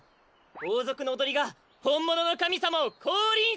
おうぞくのおどりがほんもののかみさまをこうりんさせたのだ！